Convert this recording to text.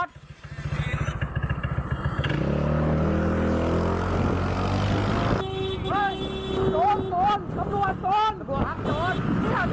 โจรโจรตรวจโจร